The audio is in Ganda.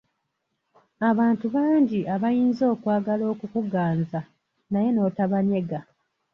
Abantu bangi abayinza okwagala okukuganza naye n'otabanyega.